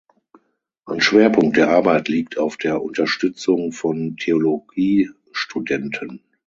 Ein Schwerpunkt der Arbeit liegt auf der Unterstützung von Theologiestudenten.